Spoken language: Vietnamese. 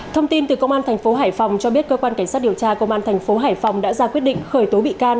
thông tin từ công an thành phố hải phòng cho biết cơ quan cảnh sát điều tra công an thành phố hải phòng đã ra quyết định khởi tố bị can